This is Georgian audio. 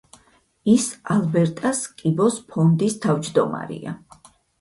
ის ალბერტას კიბოს ფონდის თავმჯდომარეა.